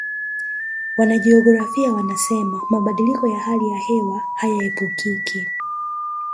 wanajiografia wanasema mabadiliko ya hali ya hewa hayaepukiki